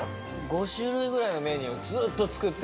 ５種類ぐらいのメニューをずっと作ってる。